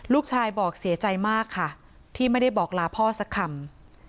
ลูกชายบอกเสียใจมากค่ะที่ไม่ได้บอกลาพ่อสักคำ